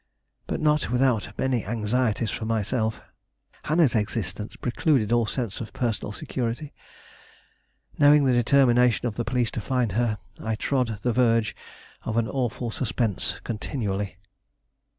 But not without many anxieties for myself. Hannah's existence precluded all sense of personal security. Knowing the determination of the police to find her, I trod the verge of an awful suspense continually.